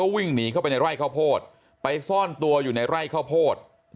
คุกยิงพ่อตากับยิงภัยาแล้วตอนนั้นก็ไล่ยิงภัยาของเขาด้วยนะ